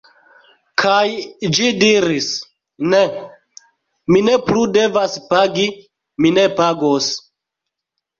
Kaj ĝi diris: ne, mi ne plu devas pagi, mi ne pagos.